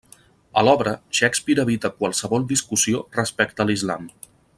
A l'obra, Shakespeare evita qualsevol discussió respecte a l'islam.